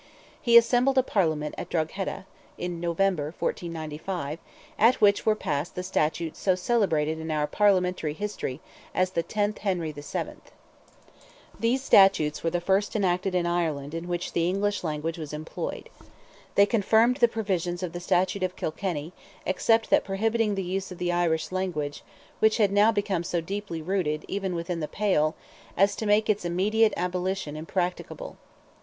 He assembled a Parliament at Drogheda, in November, 1495, at which were passed the statutes so celebrated in our Parliamentary history as the "10th Henry VII." These statutes were the first enacted in Ireland in which the English language was employed. They confirmed the Provisions of the Statute of Kilkenny, except that prohibiting the use of the Irish language, which had now become so deeply rooted, even within the Pale, as to make its immediate abolition impracticable.